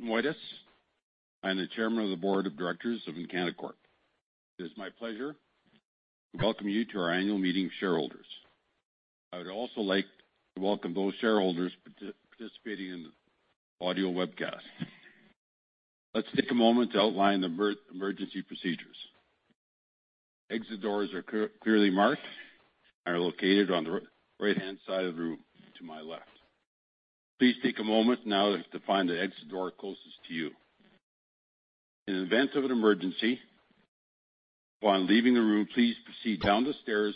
Morning. Woitas. I am the Chairman of the Board of Directors of Encana Corp. It is my pleasure to welcome you to our annual meeting of shareholders. I would also like to welcome those shareholders participating in the audio webcast. Let's take a moment to outline the emergency procedures. Exit doors are clearly marked and are located on the right-hand side of the room, to my left. Please take a moment now to find the exit door closest to you. In event of an emergency, while leaving the room, please proceed down the stairs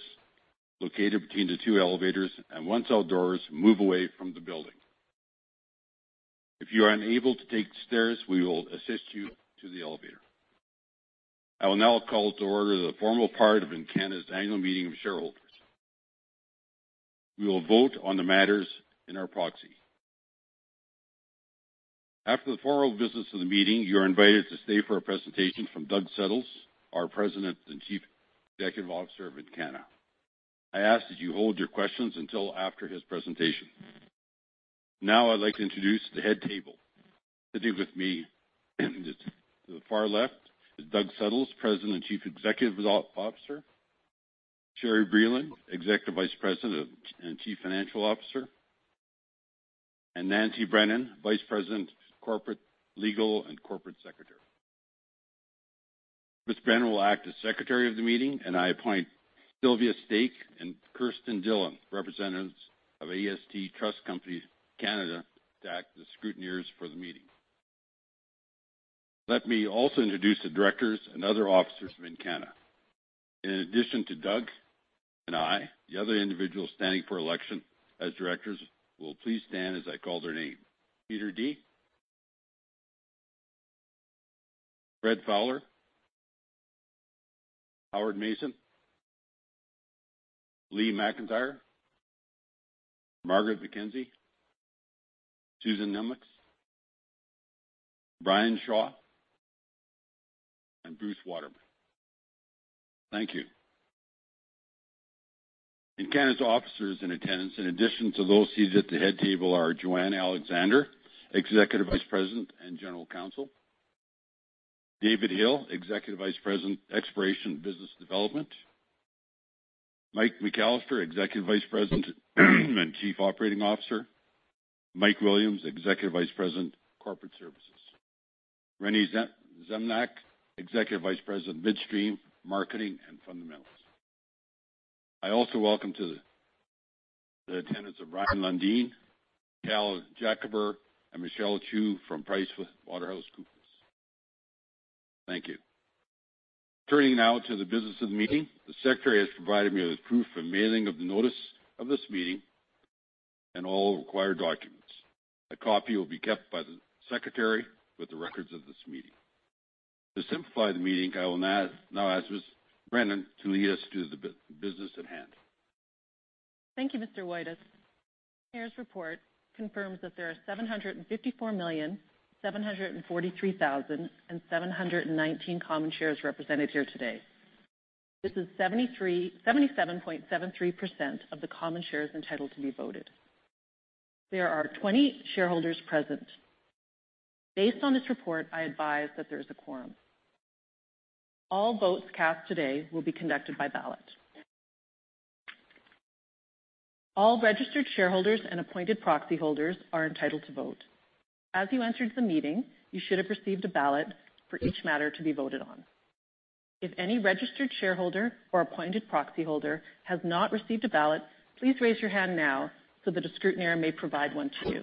located between the two elevators, and once outdoors, move away from the building. If you are unable to take the stairs, we will assist you to the elevator. I will now call to order the formal part of Encana's annual meeting of shareholders. We will vote on the matters in our proxy. After the formal business of the meeting, you are invited to stay for a presentation from Doug Suttles, our President and Chief Executive Officer of Encana. I ask that you hold your questions until after his presentation. I'd like to introduce the head table. Sitting with me, to the far left, is Doug Suttles, President and Chief Executive Officer. Sherri Brillon, Executive Vice President and Chief Financial Officer. Nancy Brennan, Vice President, Corporate Legal and Corporate Secretary. Ms. Brennan will act as Secretary of the meeting, and I appoint Sylvia Stake and Kirsten Dillon, representatives of AST Trust Company (Canada), to act as scrutineers for the meeting. Let me also introduce the directors and other officers of Encana. In addition to Doug and I, the other individuals standing for election as directors will please stand as I call their name. Peter Dea. Fred J. Fowler. Howard J. Mayson. Lee A. McIntire. Margaret A. McKenzie. Suzanne P. Nimocks. Brian G. Shaw, and Bruce G. Waterman. Thank you. Encana's officers in attendance, in addition to those seated at the head table, are Joanne Alexander, Executive Vice President and General Counsel. David Hill, Executive Vice President, Exploration & Business Development. Michael McAllister, Executive Vice-President and Chief Operating Officer. Mike Williams, Executive Vice-President, Corporate Services. Renee Zemljak, Executive Vice-President, Midstream, Marketing & Fundamentals. I also welcome to the attendance of, Calvin Jacober, and Michelle Chu from PricewaterhouseCoopers. Thank you. Turning to the business of the meeting, the secretary has provided me with proof of mailing of the notice of this meeting and all required documents. A copy will be kept by the secretary with the records of this meeting. To simplify the meeting, I will ask Ms. Brennan to lead us through the business at hand. Thank you, Mr. Woitas. The scrutineer's report confirms that there are 754,743,719 common shares represented here today. This is 77.73% of the common shares entitled to be voted. There are 20 shareholders present. Based on this report, I advise that there is a quorum. All votes cast today will be conducted by ballot. All registered shareholders and appointed proxy holders are entitled to vote. As you entered the meeting, you should have received a ballot for each matter to be voted on. If any registered shareholder or appointed proxy holder has not received a ballot, please raise your hand now so that a scrutineer may provide one to you.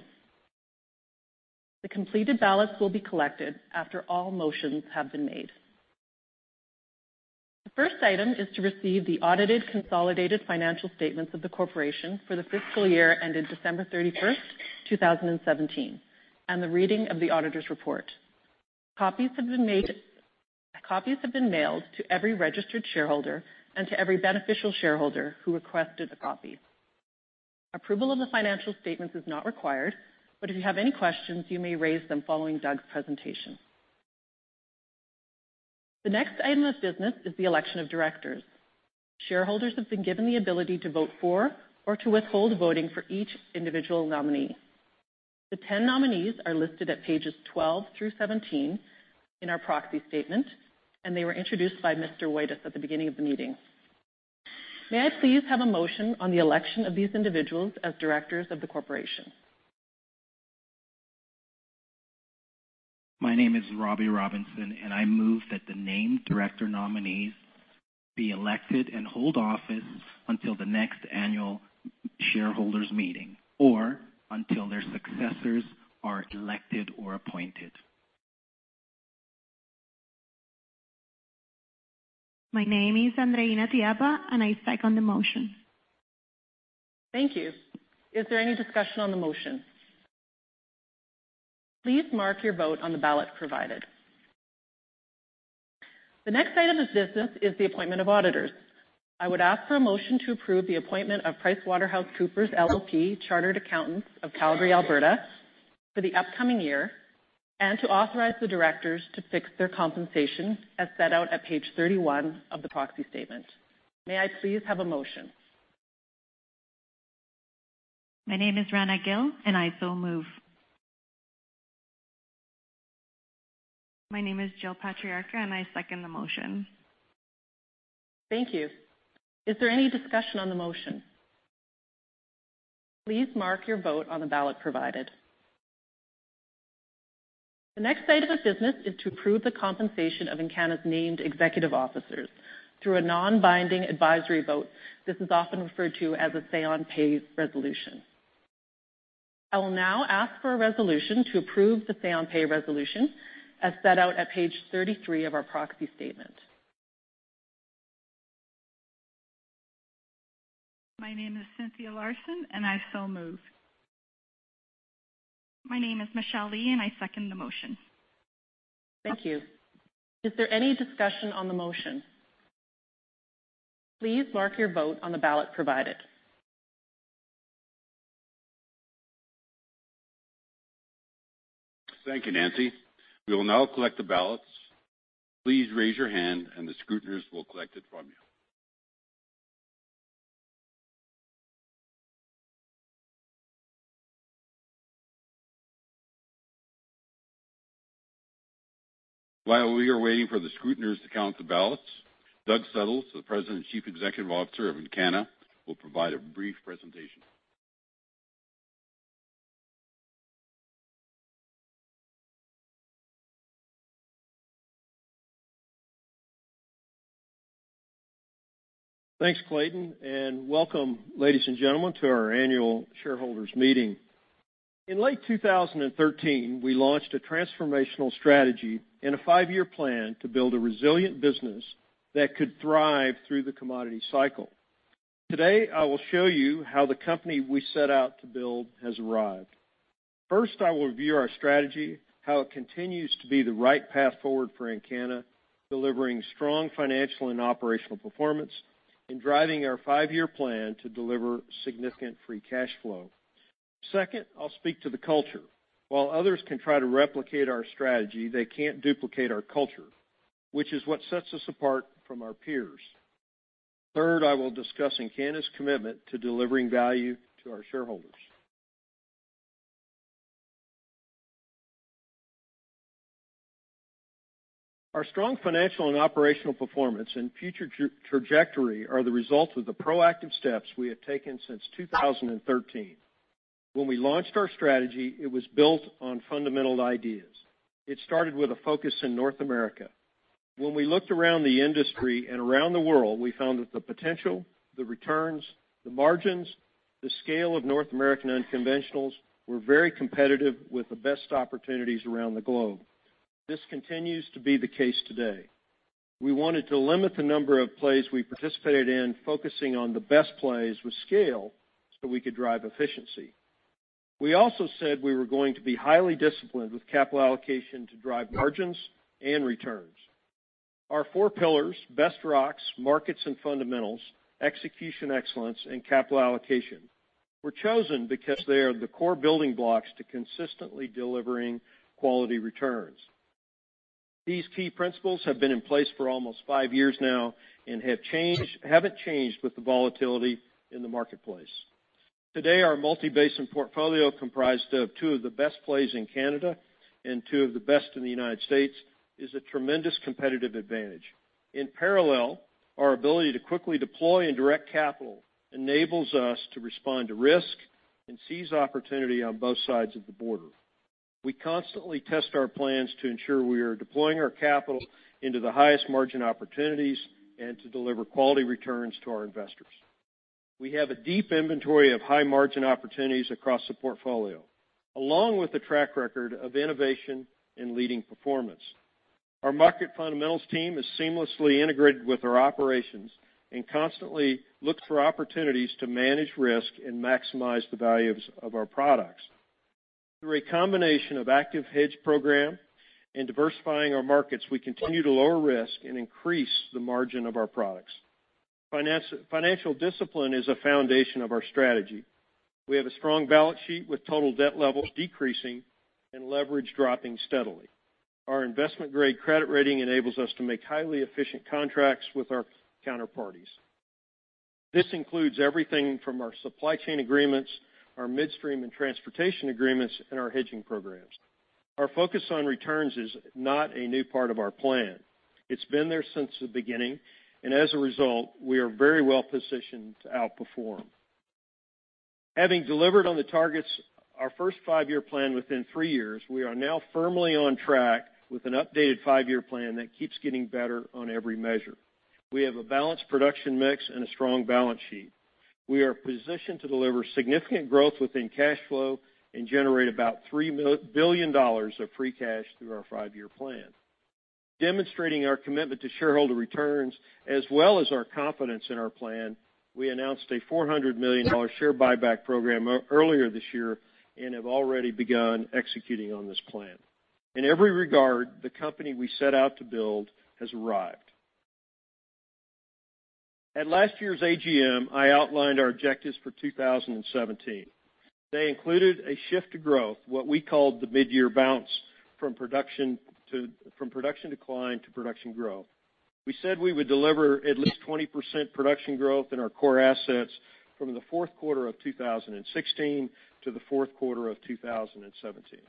The completed ballots will be collected after all motions have been made. The first item is to receive the audited consolidated financial statements of the corporation for the fiscal year ended December 31st, 2017, and the reading of the auditor's report. Copies have been mailed to every registered shareholder and to every beneficial shareholder who requested a copy. Approval of the financial statements is not required, but if you have any questions, you may raise them following Doug's presentation. The next item of business is the election of directors. Shareholders have been given the ability to vote for or to withhold voting for each individual nominee. The 10 nominees are listed at pages 12 through 17 in our proxy statement, and they were introduced by Mr. Woitas at the beginning of the meeting. May I please have a motion on the election of these individuals as directors of the corporation? My name is Robbie Robinson. I move that the named director nominees be elected and hold office until the next annual shareholders meeting or until their successors are elected or appointed. My name is Andreina Tiapa. I second the motion. Thank you. Is there any discussion on the motion? Please mark your vote on the ballot provided. The next item of business is the appointment of auditors. I would ask for a motion to approve the appointment of PricewaterhouseCoopers LLP Chartered Accountants of Calgary, Alberta for the upcoming year. To authorize the directors to fix their compensation as set out at page 31 of the proxy statement. May I please have a motion? My name is Rana Gill, and I so move. My name is Jill Patriarca, and I second the motion. Thank you. Is there any discussion on the motion? Please mark your vote on the ballot provided. The next item of business is to approve the compensation of Encana's named executive officers through a non-binding advisory vote. This is often referred to as a say on pay resolution. I will now ask for a resolution to approve the say on pay resolution as set out at page 33 of our proxy statement. My name is Cynthia Larson, and I so move. My name is Michelle Lee, and I second the motion. Thank you. Is there any discussion on the motion? Please mark your vote on the ballot provided. Thank you, Nancy. We will now collect the ballots. Please raise your hand, and the scrutineers will collect it from you. While we are waiting for the scrutineers to count the ballots, Doug Suttles, the President and Chief Executive Officer of Encana, will provide a brief presentation. Thanks, Clayton, and welcome, ladies and gentlemen, to our annual shareholders meeting. In late 2013, we launched a transformational strategy and a five-year plan to build a resilient business that could thrive through the commodity cycle. Today, I will show you how the company we set out to build has arrived. First, I will review our strategy, how it continues to be the right path forward for Encana, delivering strong financial and operational performance, and driving our five-year plan to deliver significant free cash flow. Second, I'll speak to the culture. While others can try to replicate our strategy, they can't duplicate our culture, which is what sets us apart from our peers. Third, I will discuss Encana's commitment to delivering value to our shareholders. Our strong financial and operational performance and future trajectory are the result of the proactive steps we have taken since 2013. When we launched our strategy, it was built on fundamental ideas. It started with a focus in North America. When we looked around the industry and around the world, we found that the potential, the returns, the margins, the scale of North American unconventionals were very competitive with the best opportunities around the globe. This continues to be the case today. We wanted to limit the number of plays we participated in, focusing on the best plays with scale so we could drive efficiency. We also said we were going to be highly disciplined with capital allocation to drive margins and returns. Our four pillars, best rocks, markets and fundamentals, execution excellence, and capital allocation were chosen because they are the core building blocks to consistently delivering quality returns. These key principles have been in place for almost five years now and haven't changed with the volatility in the marketplace. Today, our multi-basin portfolio, comprised of two of the best plays in Canada and two of the best in the United States, is a tremendous competitive advantage. In parallel, our ability to quickly deploy and direct capital enables us to respond to risk and seize opportunity on both sides of the border. We constantly test our plans to ensure we are deploying our capital into the highest margin opportunities and to deliver quality returns to our investors. We have a deep inventory of high-margin opportunities across the portfolio, along with a track record of innovation and leading performance. Our market fundamentals team is seamlessly integrated with our operations and constantly looks for opportunities to manage risk and maximize the values of our products. Through a combination of active hedge program and diversifying our markets, we continue to lower risk and increase the margin of our products. Financial discipline is a foundation of our strategy. We have a strong balance sheet with total debt levels decreasing and leverage dropping steadily. Our investment-grade credit rating enables us to make highly efficient contracts with our counterparties. This includes everything from our supply chain agreements, our midstream and transportation agreements, and our hedging programs. Our focus on returns is not a new part of our plan. It's been there since the beginning. As a result, we are very well positioned to outperform. Having delivered on the targets, our first five-year plan within three years, we are now firmly on track with an updated five-year plan that keeps getting better on every measure. We have a balanced production mix and a strong balance sheet. We are positioned to deliver significant growth within cash flow and generate about $3 billion of free cash through our five-year plan. Demonstrating our commitment to shareholder returns as well as our confidence in our plan, we announced a $400 million share buyback program earlier this year and have already begun executing on this plan. In every regard, the company we set out to build has arrived. At last year's AGM, I outlined our objectives for 2017. They included a shift to growth, what we called the mid-year bounce, from production decline to production growth. We said we would deliver at least 20% production growth in our core assets from the fourth quarter of 2016 to the fourth quarter of 2017.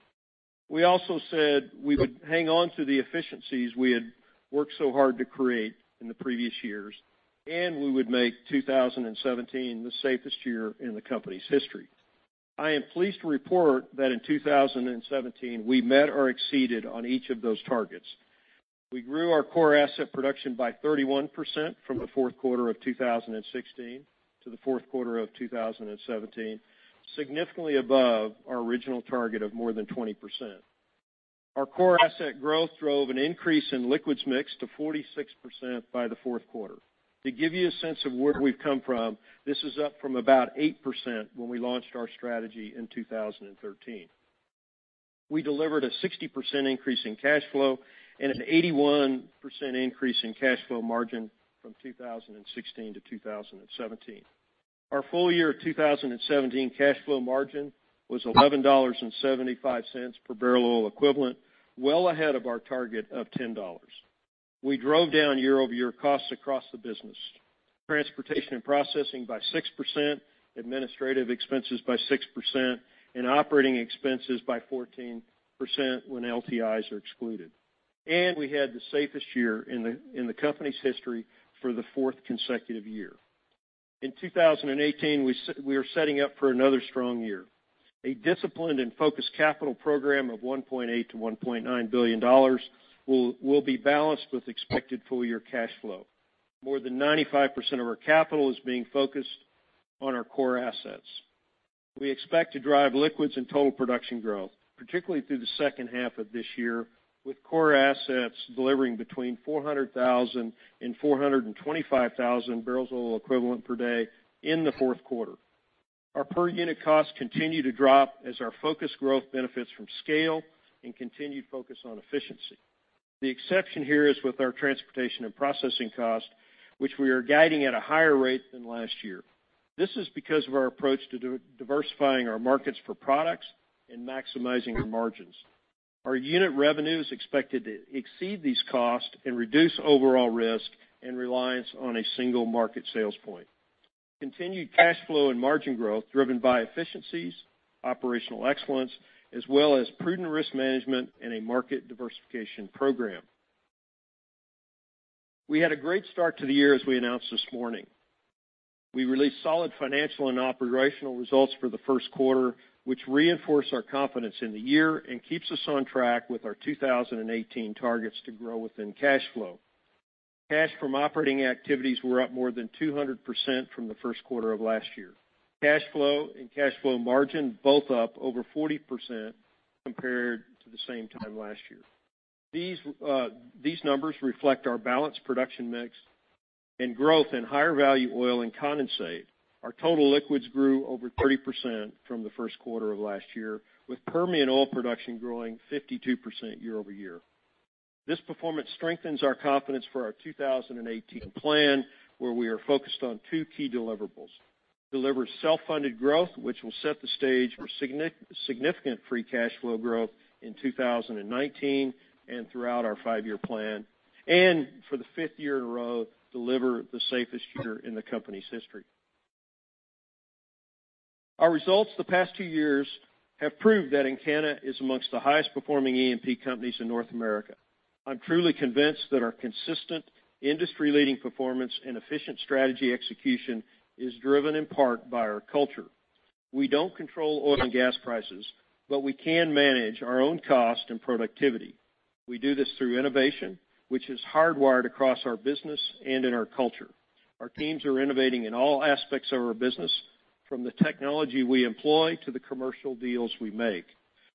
We also said we would hang on to the efficiencies we had worked so hard to create in the previous years. We would make 2017 the safest year in the company's history. I am pleased to report that in 2017, we met or exceeded on each of those targets. We grew our core asset production by 31% from the fourth quarter of 2016 to the fourth quarter of 2017, significantly above our original target of more than 20%. Our core asset growth drove an increase in liquids mix to 46% by the fourth quarter. To give you a sense of where we've come from, this is up from about 8% when we launched our strategy in 2013. We delivered a 60% increase in cash flow and an 81% increase in cash flow margin from 2016 to 2017. Our full year 2017 cash flow margin was $11.75 per barrel oil equivalent, well ahead of our target of $10. We drove down year-over-year costs across the business, transportation and processing by 6%, administrative expenses by 6%, and operating expenses by 14% when LTIs are excluded. We had the safest year in the company's history for the fourth consecutive year. In 2018, we are setting up for another strong year. A disciplined and focused capital program of $1.8 billion-$1.9 billion will be balanced with expected full-year cash flow. More than 95% of our capital is being focused on our core assets. We expect to drive liquids and total production growth, particularly through the second half of this year, with core assets delivering between 400,000 and 425,000 barrels of oil equivalent per day in the fourth quarter. Our per-unit costs continue to drop as our focus growth benefits from scale and continued focus on efficiency. The exception here is with our transportation and processing cost, which we are guiding at a higher rate than last year. This is because of our approach to diversifying our markets for products and maximizing our margins. Our unit revenue is expected to exceed these costs and reduce overall risk and reliance on a single market sales point. Continued cash flow and margin growth driven by efficiencies, operational excellence, as well as prudent risk management and a market diversification program. We had a great start to the year, as we announced this morning. We released solid financial and operational results for the first quarter, which reinforce our confidence in the year and keeps us on track with our 2018 targets to grow within cash flow. Cash from operating activities were up more than 200% from the first quarter of last year. Cash flow and cash flow margin both up over 40% compared to the same time last year. These numbers reflect our balanced production mix and growth in higher value oil and condensate. Our total liquids grew over 30% from the first quarter of last year, with Permian oil production growing 52% year-over-year. This performance strengthens our confidence for our 2018 plan, where we are focused on two key deliverables. Deliver self-funded growth, which will set the stage for significant free cash flow growth in 2019 and throughout our five-year plan. For the fifth year in a row, deliver the safest year in the company's history. Our results the past two years have proved that Encana is amongst the highest performing E&P companies in North America. I'm truly convinced that our consistent industry-leading performance and efficient strategy execution is driven in part by our culture. We don't control oil and gas prices, but we can manage our own cost and productivity. We do this through innovation, which is hardwired across our business and in our culture. Our teams are innovating in all aspects of our business, from the technology we employ to the commercial deals we make.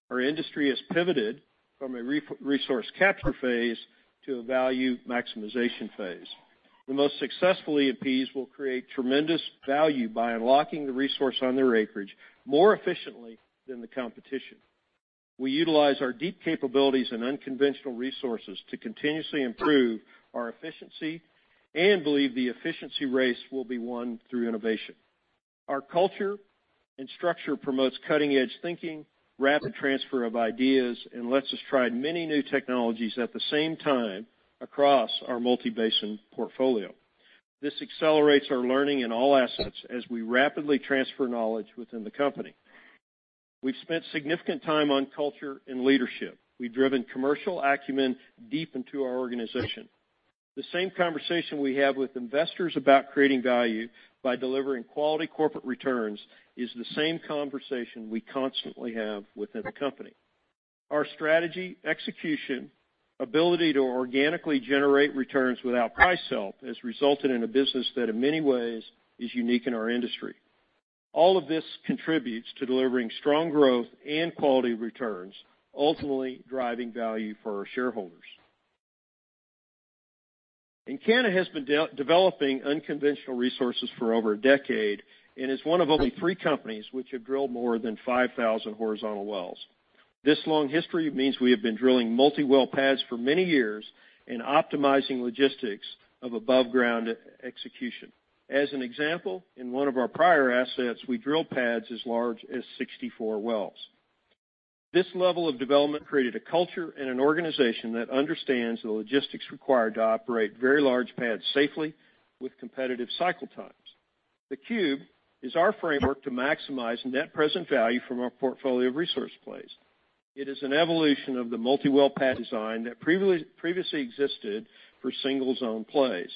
Our industry has pivoted from a resource capture phase to a value maximization phase. The most successful E&Ps will create tremendous value by unlocking the resource on their acreage more efficiently than the competition. We utilize our deep capabilities in unconventional resources to continuously improve our efficiency and believe the efficiency race will be won through innovation. Our culture and structure promotes cutting-edge thinking, rapid transfer of ideas, and lets us try many new technologies at the same time across our multi-basin portfolio. This accelerates our learning in all assets as we rapidly transfer knowledge within the company. We've spent significant time on culture and leadership. We've driven commercial acumen deep into our organization. The same conversation we have with investors about creating value by delivering quality corporate returns is the same conversation we constantly have within the company. Our strategy, execution, ability to organically generate returns without price help has resulted in a business that in many ways is unique in our industry. All of this contributes to delivering strong growth and quality returns, ultimately driving value for our shareholders. Encana has been developing unconventional resources for over a decade and is one of only three companies which have drilled more than 5,000 horizontal wells. This long history means we have been drilling multi-well pads for many years and optimizing logistics of above-ground execution. As an example, in one of our prior assets, we drilled pads as large as 64 wells. This level of development created a culture and an organization that understands the logistics required to operate very large pads safely with competitive cycle times. The Cube is our framework to maximize net present value from our portfolio of resource plays. It is an evolution of the multi-well pad design that previously existed for single-zone plays.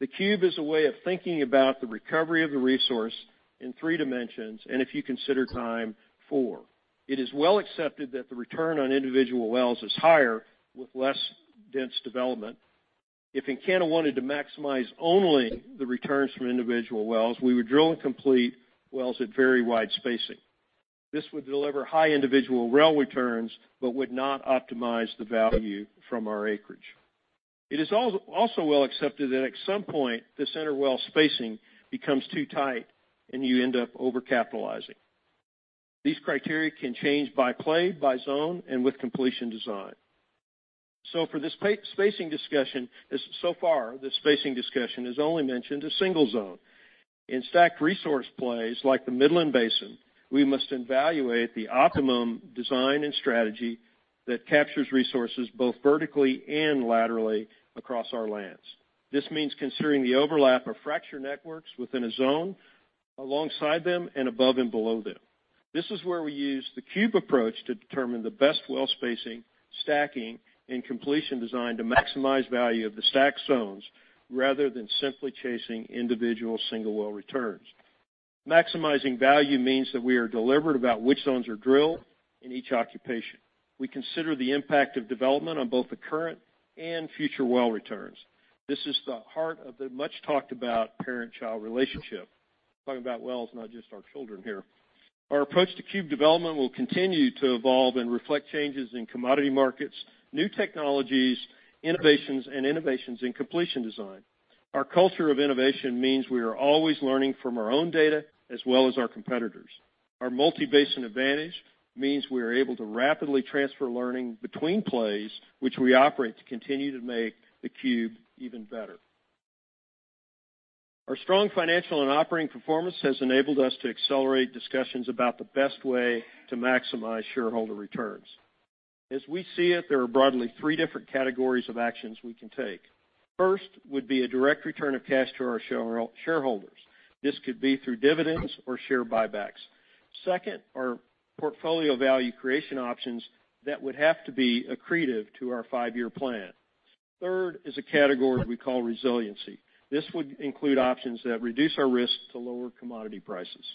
The Cube is a way of thinking about the recovery of the resource in three dimensions, and if you consider time, four. It is well accepted that the return on individual wells is higher with less dense development. If Encana wanted to maximize only the returns from individual wells, we would drill and complete wells at very wide spacing. This would deliver high individual well returns but would not optimize the value from our acreage. It is also well accepted that at some point, the center well spacing becomes too tight, and you end up overcapitalizing. These criteria can change by play, by zone, and with completion design. So far, this spacing discussion has only mentioned a single zone. In stacked resource plays like the Midland Basin, we must evaluate the optimum design and strategy that captures resources both vertically and laterally across our lands. This means considering the overlap of fracture networks within a zone, alongside them, and above and below them. This is where we use the Cube approach to determine the best well spacing, stacking, and completion design to maximize value of the stacked zones, rather than simply chasing individual single-well returns. Maximizing value means that we are deliberate about which zones are drilled in each occupation. We consider the impact of development on both the current and future well returns. This is the heart of the much-talked-about parent-child relationship. Talking about wells, not just our children here. Our approach to Cube development will continue to evolve and reflect changes in commodity markets, new technologies, innovations, and innovations in completion design. Our culture of innovation means we are always learning from our own data as well as our competitors. Our multi-basin advantage means we are able to rapidly transfer learning between plays which we operate to continue to make the Cube even better. Our strong financial and operating performance has enabled us to accelerate discussions about the best way to maximize shareholder returns. As we see it, there are broadly three different categories of actions we can take. First would be a direct return of cash to our shareholders. This could be through dividends or share buybacks. Second are portfolio value creation options that would have to be accretive to our five-year plan. Third is a category we call resiliency. This would include options that reduce our risk to lower commodity prices.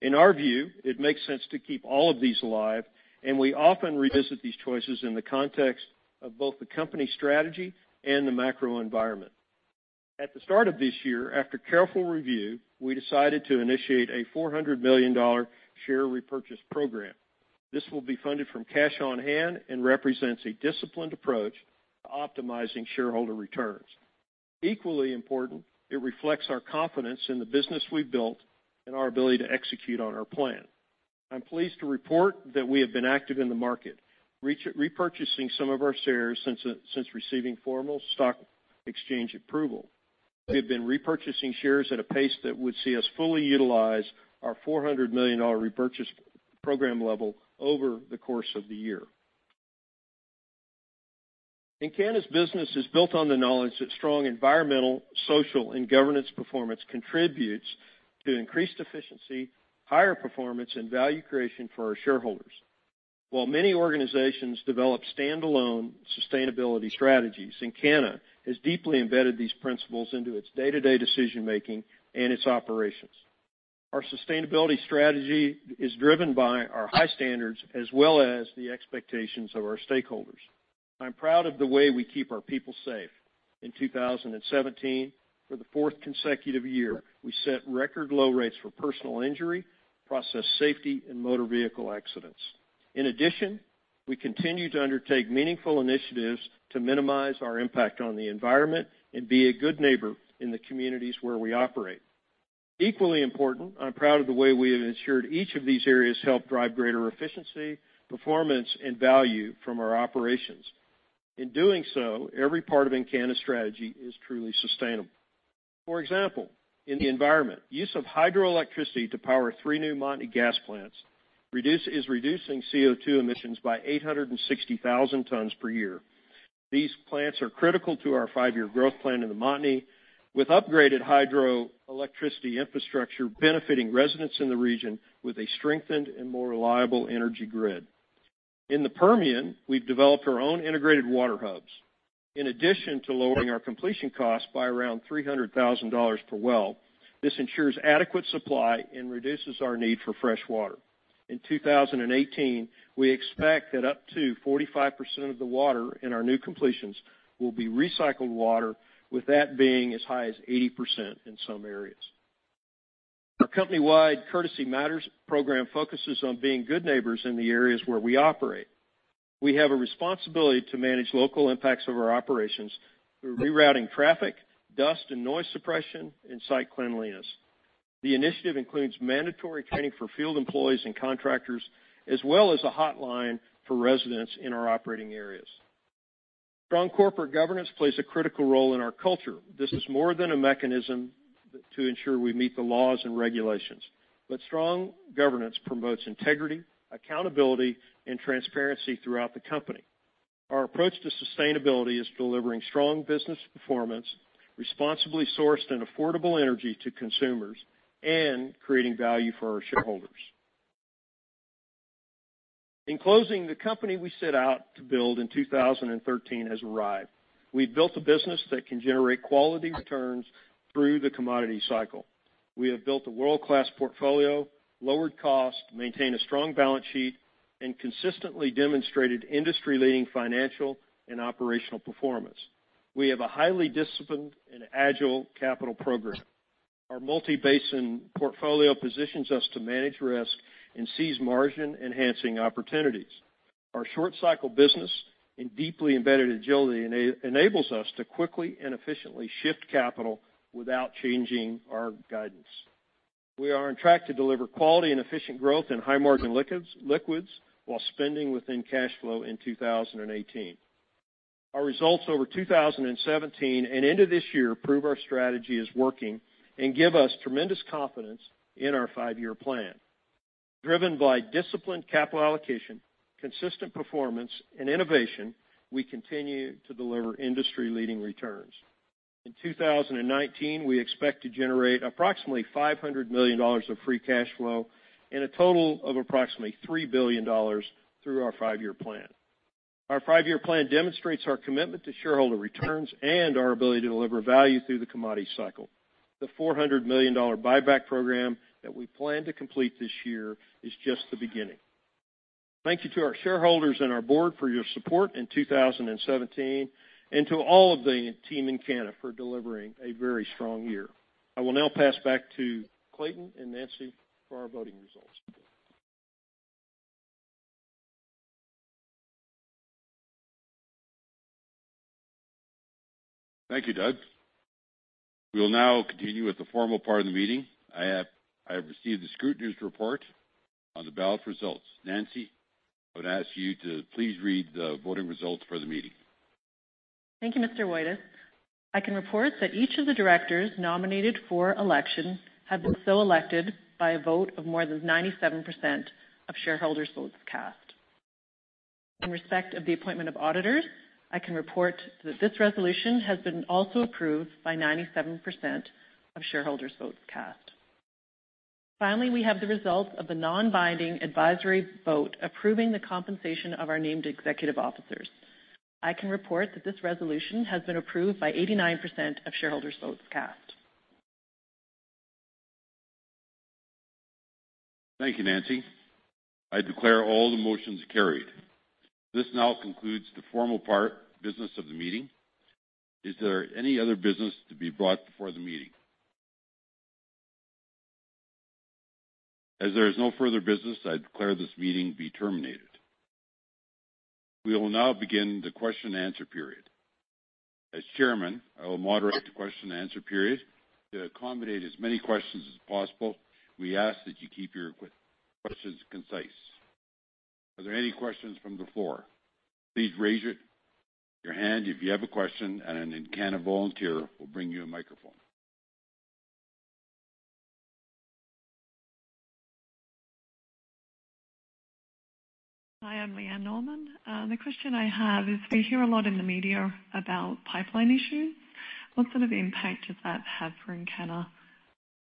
In our view, it makes sense to keep all of these alive, and we often revisit these choices in the context of both the company strategy and the macro environment. At the start of this year, after careful review, we decided to initiate a $400 million share repurchase program. This will be funded from cash on hand and represents a disciplined approach to optimizing shareholder returns. Equally important, it reflects our confidence in the business we've built and our ability to execute on our plan. I'm pleased to report that we have been active in the market, repurchasing some of our shares since receiving formal stock exchange approval. We have been repurchasing shares at a pace that would see us fully utilize our $400 million repurchase program level over the course of the year. Encana's business is built on the knowledge that strong environmental, social, and governance performance contributes to increased efficiency, higher performance, and value creation for our shareholders. While many organizations develop standalone sustainability strategies, Encana has deeply embedded these principles into its day-to-day decision-making and its operations. Our sustainability strategy is driven by our high standards as well as the expectations of our stakeholders. I'm proud of the way we keep our people safe. In 2017, for the fourth consecutive year, we set record low rates for personal injury, process safety, and motor vehicle accidents. Additionally, we continue to undertake meaningful initiatives to minimize our impact on the environment and be a good neighbor in the communities where we operate. Equally important, I'm proud of the way we have ensured each of these areas help drive greater efficiency, performance, and value from our operations. Doing so, every part of Encana's strategy is truly sustainable. For example, in the environment, use of hydroelectricity to power three new Montney gas plants is reducing CO2 emissions by 860,000 tons per year. These plants are critical to our five-year growth plan in the Montney, with upgraded hydroelectricity infrastructure benefiting residents in the region with a strengthened and more reliable energy grid. In the Permian, we've developed our own integrated water hubs. Additionally, to lowering our completion cost by around $300,000 per well, this ensures adequate supply and reduces our need for fresh water. In 2018, we expect that up to 45% of the water in our new completions will be recycled water, with that being as high as 80% in some areas. Our company-wide Courtesy Matters program focuses on being good neighbors in the areas where we operate. We have a responsibility to manage local impacts of our operations through rerouting traffic, dust and noise suppression, and site cleanliness. The initiative includes mandatory training for field employees and contractors, as well as a hotline for residents in our operating areas. Strong corporate governance plays a critical role in our culture. This is more than a mechanism to ensure we meet the laws and regulations. Strong governance promotes integrity, accountability, and transparency throughout the company. Our approach to sustainability is delivering strong business performance, responsibly sourced and affordable energy to consumers, and creating value for our shareholders. Closing, the company we set out to build in 2013 has arrived. We've built a business that can generate quality returns through the commodity cycle. We have built a world-class portfolio, lowered cost, maintained a strong balance sheet, and consistently demonstrated industry-leading financial and operational performance. We have a highly disciplined and agile capital program. Our multi-basin portfolio positions us to manage risk and seize margin-enhancing opportunities. Our short-cycle business and deeply embedded agility enables us to quickly and efficiently shift capital without changing our guidance. We are on track to deliver quality and efficient growth in high-margin liquids, while spending within cash flow in 2018. Our results over 2017 and into this year prove our strategy is working and give us tremendous confidence in our five-year plan. Driven by disciplined capital allocation, consistent performance, and innovation, we continue to deliver industry-leading returns. In 2019, we expect to generate approximately $500 million of free cash flow and a total of approximately $3 billion through our five-year plan. Our five-year plan demonstrates our commitment to shareholder returns and our ability to deliver value through the commodity cycle. The $400 million buyback program that we plan to complete this year is just the beginning. Thank you to our shareholders and our board for your support in 2017, and to all of the team in Canada for delivering a very strong year. I will now pass back to Clayton and Nancy for our voting results. Thank you, Doug. We will now continue with the formal part of the meeting. I have received the scrutineer's report on the ballot results. Nancy, I would ask you to please read the voting results for the meeting. Thank you, Mr. Woitas. I can report that each of the directors nominated for election have been so elected by a vote of more than 97% of shareholders' votes cast. In respect of the appointment of auditors, I can report that this resolution has been also approved by 97% of shareholders' votes cast. Finally, we have the results of the non-binding advisory vote approving the compensation of our named executive officers. I can report that this resolution has been approved by 89% of shareholders' votes cast. Thank you, Nancy. I declare all the motions carried. This now concludes the formal part business of the meeting. Is there any other business to be brought before the meeting? As there is no further business, I declare this meeting be terminated. We will now begin the question and answer period. As chairman, I will moderate the question and answer period. To accommodate as many questions as possible, we ask that you keep your questions concise. Are there any questions from the floor? Please raise your hand if you have a question, and an Encana volunteer will bring you a microphone. Hi, I'm Leanne Norman. The question I have is, we hear a lot in the media about pipeline issues. What sort of impact does that have for Encana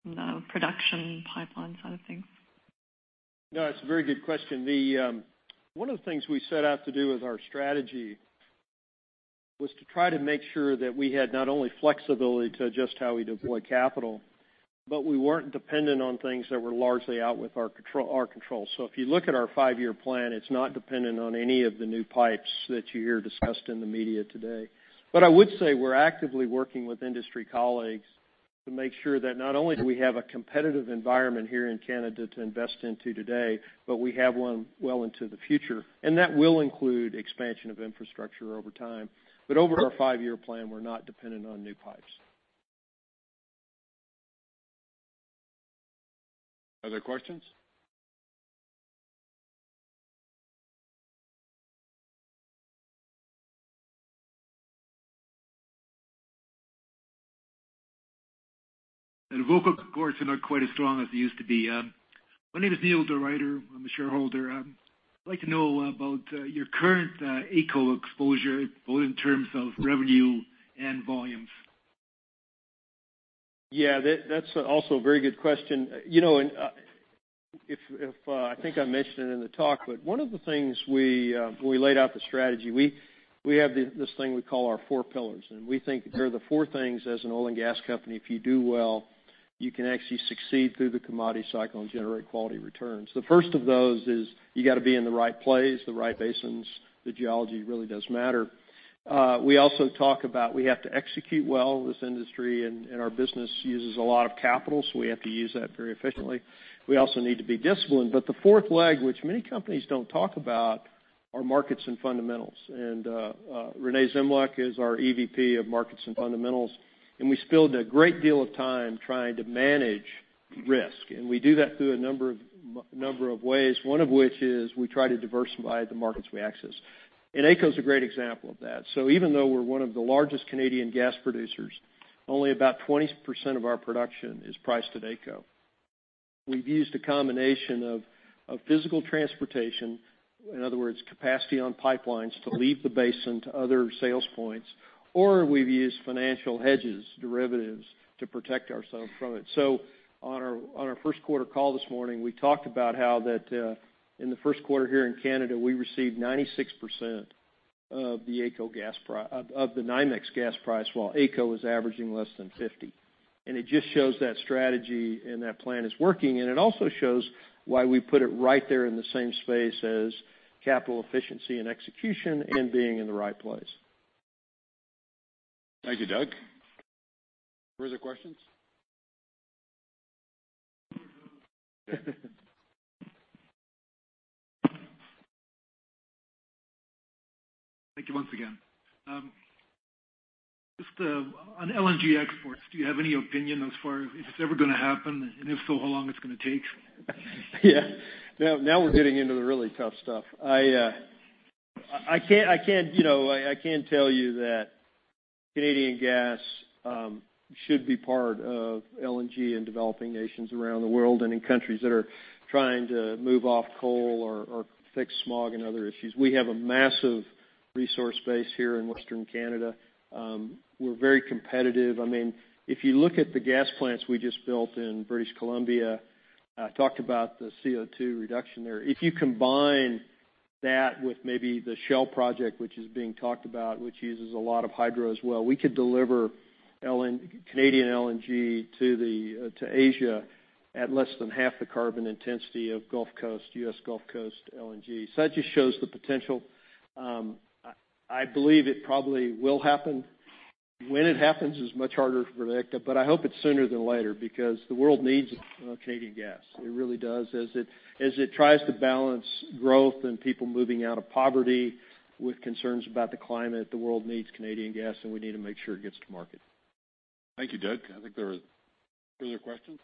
on the production pipeline side of things? It's a very good question. One of the things we set out to do with our strategy was to try to make sure that we had not only flexibility to adjust how we deploy capital, we weren't dependent on things that were largely out with our control. If you look at our five-year plan, it's not dependent on any of the new pipes that you hear discussed in the media today. I would say we're actively working with industry colleagues to make sure that not only do we have a competitive environment here in Canada to invest into today, we have one well into the future. That will include expansion of infrastructure over time. Over our five-year plan, we're not dependent on new pipes. Other questions? The vocal cords are not quite as strong as they used to be. My name is Neil DeRyder. I'm a shareholder. I'd like to know about your current AECO exposure, both in terms of revenue and volumes. Yeah, that's also a very good question. I think I mentioned it in the talk. One of the things when we laid out the strategy, we have this thing we call our four pillars, and we think they're the four things as an oil and gas company, if you do well, you can actually succeed through the commodity cycle and generate quality returns. The first of those is you got to be in the right place, the right basins. The geology really does matter. We also talk about we have to execute well. This industry and our business uses a lot of capital. We have to use that very efficiently. We also need to be disciplined. The fourth leg, which many companies don't talk about. Our markets and fundamentals. Renee Zemljak is our EVP of markets and fundamentals. We spilled a great deal of time trying to manage risk. We do that through a number of ways, one of which is we try to diversify the markets we access. AECO is a great example of that. Even though we're one of the largest Canadian gas producers, only about 20% of our production is priced at AECO. We've used a combination of physical transportation, in other words, capacity on pipelines to leave the basin to other sales points. We've used financial hedges, derivatives, to protect ourselves from it. On our first quarter call this morning, we talked about how that in the first quarter here in Canada, we received 96% of the NYMEX gas price while AECO is averaging less than 50%. It just shows that strategy and that plan is working. It also shows why we put it right there in the same space as capital efficiency and execution and being in the right place. Thank you, Doug. Further questions? Thank you once again. Just on LNG exports, do you have any opinion as far as if it's ever going to happen, if so, how long it's going to take? Yeah. Now we're getting into the really tough stuff. I can tell you that Canadian gas should be part of LNG in developing nations around the world and in countries that are trying to move off coal or fix smog and other issues. We have a massive resource base here in Western Canada. We're very competitive. If you look at the gas plants we just built in British Columbia, I talked about the CO2 reduction there. If you combine that with maybe the Shell project, which is being talked about, which uses a lot of hydro as well, we could deliver Canadian LNG to Asia at less than half the carbon intensity of Gulf Coast, U.S. Gulf Coast LNG. That just shows the potential. I believe it probably will happen. When it happens is much harder to predict, I hope it's sooner than later because the world needs Canadian gas. It really does. As it tries to balance growth and people moving out of poverty with concerns about the climate, the world needs Canadian gas, we need to make sure it gets to market. Thank you, Doug. I think there are further questions.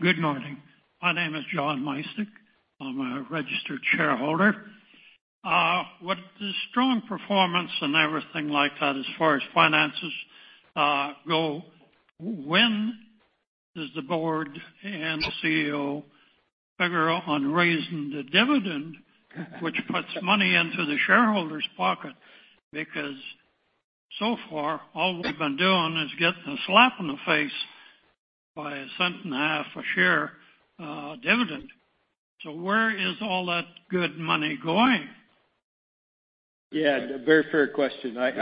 Good morning. My name is John Mysak. I'm a registered shareholder. With the strong performance and everything like that as far as finances go, when does the board and the CEO figure on raising the dividend, which puts money into the shareholder's pocket? So far, all we've been doing is getting a slap in the face by $0.015 a share dividend. Where is all that good money going? Yeah, very fair question. Good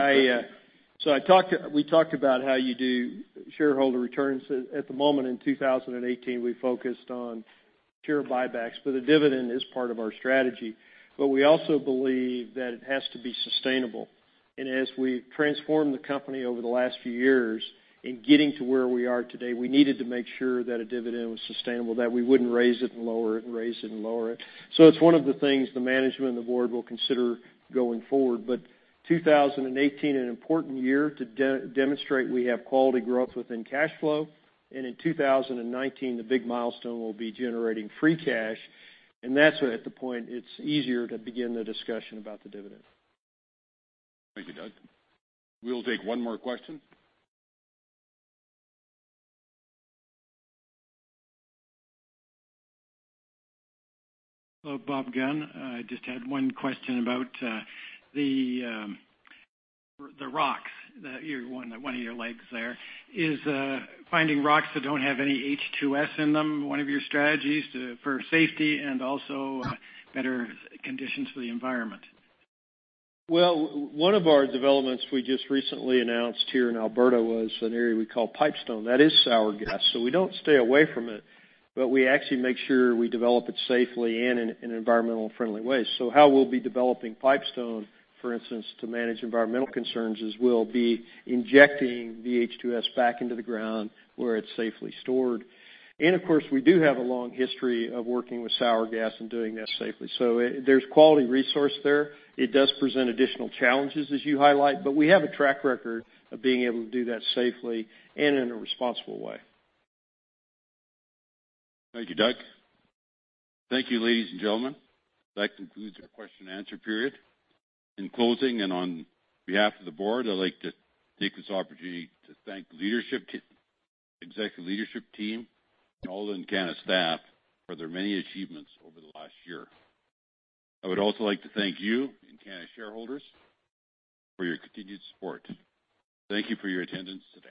question. We talked about how you do shareholder returns. At the moment in 2018, we focused on share buybacks, the dividend is part of our strategy, but we also believe that it has to be sustainable. As we transformed the company over the last few years in getting to where we are today, we needed to make sure that a dividend was sustainable, that we wouldn't raise it and lower it, raise it and lower it. It's one of the things the management and the board will consider going forward. 2018, an important year to demonstrate we have quality growth within cash flow, in 2019, the big milestone will be generating free cash, that's at the point it's easier to begin the discussion about the dividend. Thank you, Doug. We'll take one more question. Hello, Bob Gunn. I just had one question about the rocks, one of your legs there. Is finding rocks that don't have any H2S in them one of your strategies for safety and also better conditions for the environment? Well, one of our developments we just recently announced here in Alberta was an area we call Pipestone. That is sour gas. We don't stay away from it, we actually make sure we develop it safely and in an environmental-friendly way. How we'll be developing Pipestone, for instance, to manage environmental concerns, is we'll be injecting the H2S back into the ground where it's safely stored. Of course, we do have a long history of working with sour gas and doing that safely. There's quality resource there. It does present additional challenges as you highlight, we have a track record of being able to do that safely and in a responsible way. Thank you, Doug. Thank you, ladies and gentlemen. That concludes our question and answer period. In closing, and on behalf of the board, I'd like to take this opportunity to thank the executive leadership team and all the Encana staff for their many achievements over the last year. I would also like to thank you, Encana shareholders, for your continued support. Thank you for your attendance today.